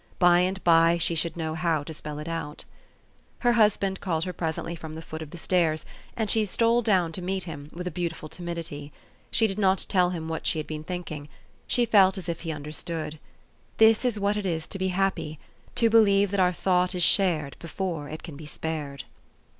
By and by she should know how to spell it out. Her husband called her presently from the foot of the stairs, and she stole down to him with a beautiful timidity. She did not tell him what she had been thinking : she felt as if he understood. This is what it is to be happy, to believe that our thought is shared before it can be spared.